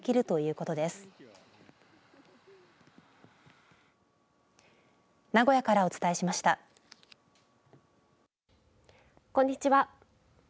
こんにちは。